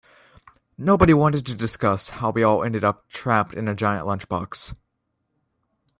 Nobody wanted to discuss how we all ended up trapped in a giant lunchbox.